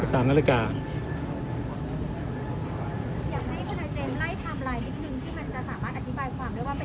อยากให้คุณอาจริงไลท์ไทม์ไลน์นิดหนึ่งที่มันจะสามารถอธิบายความด้วยว่าเป็นการละเมิด